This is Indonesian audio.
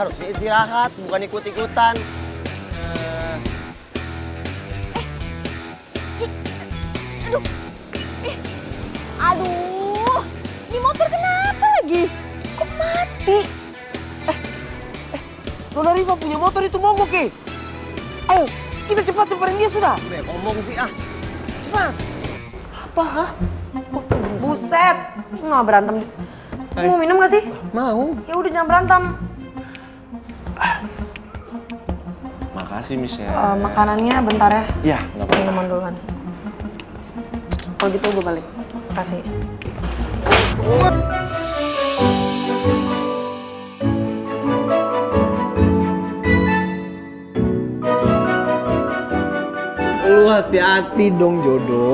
lo hati hati dong jodoh